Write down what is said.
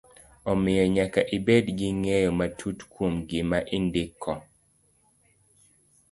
Omiyo, nyaka ibed gi ng'eyo matut kuom gima idndiko.